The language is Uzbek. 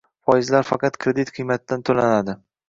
✅ Foizlar faqat kredit qiymatidan to'lanadi